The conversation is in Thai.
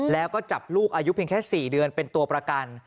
แล้วก็จับลูกอายุเพียงแค่๔เดือนเป็นตัวประกัน